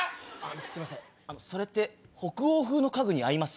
すいませんそれって北欧風の家具に合います？